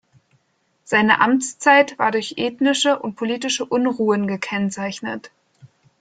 Seine Amtszeit war durch ethnische und politische Unruhen gekennzeichnet.